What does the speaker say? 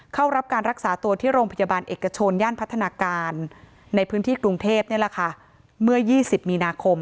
เข้ารับการรักษาตัวที่โรงพยาบาลเอกชนย่านพัฒนาการในพื้นที่กรุงเทพนี่แหละค่ะเมื่อ๒๐มีนาคม